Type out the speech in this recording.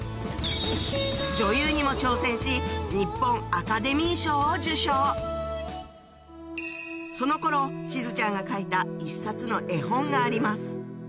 女優にも挑戦しその頃しずちゃんが描いた１冊の絵本があります